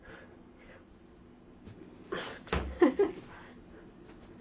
フフフ。